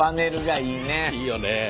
いいよね。